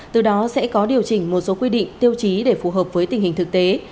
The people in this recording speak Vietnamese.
từ đó sẽ có điều chỉnh một số quy định tiêu chí để phù hợp với tình hình thực tế